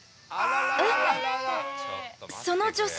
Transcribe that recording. えっ？